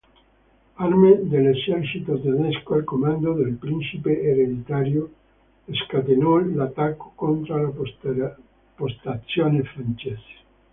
Armee dell'esercito tedesco, al comando del Principe Ereditario, scatenò l'attacco contro le postazioni francesi.